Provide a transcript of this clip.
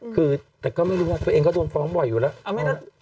คือแต่ก็ไม่รู้ว่าตัวเองก็โดนฟ้องบ่อยอยู่แล้วนะฮะ